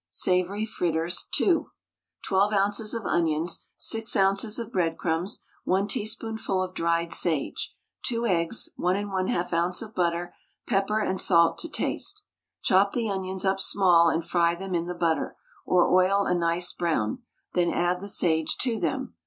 SAVOURY FRITTERS (2). 12 oz. of onions, 6 oz. of breadcrumbs, 1 teaspoonful of dried sage, 2 eggs, 1 1/2 oz. of butter, pepper and salt to taste. Chop the onions up small and fry them in the butter, or oil a nice brown, then add the sage to them.